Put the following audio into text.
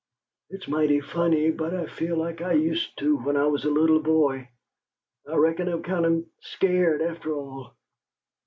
"It's mighty funny, but I feel like I used to when I was a little boy. I reckon I'm kind of scared after all.